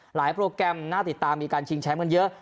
โปรแกรมน่าติดตามมีการชิงแชมป์กันเยอะ